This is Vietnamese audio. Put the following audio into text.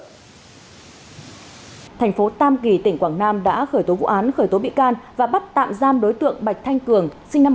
thành phố tam kỳ tỉnh quảng nam đã khởi tố vụ án khởi tố bị can và bắt tạm giam đối tượng bạch thanh cường